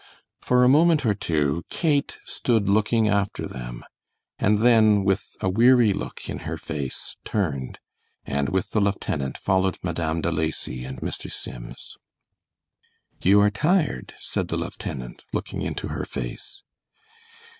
For a moment or two Kate stood looking after them, and then, with a weary look in her face, turned, and with the lieutenant, followed Madame De Lacy and Mr. Sims. "You are tired," said the lieutenant, looking into her face.